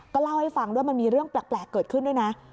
ก็เล่าให้ฟังด้วยมันมีเรื่องแปลกเกิดขึ้นด้วยนะ